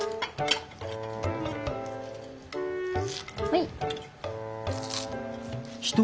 はい。